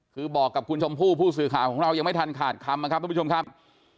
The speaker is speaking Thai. คือบอกกับคุณชมพู่ผู้สื่อข่าวของเรายังไม่ทันขาดคำนะครับทุกผู้ชมครับ